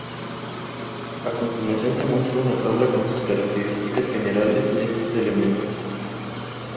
A continuación se muestra una tabla con las características generales de estos elementos.